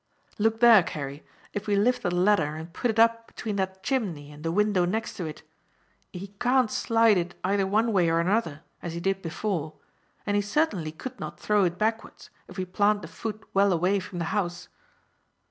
"Look there, Carey, if we lifted the ladder and put it up between that chimney and the window next to it, he can't slide it either one way or another, as he did before; and he certainly could not throw it backwards, if we plant the foot well away from the house."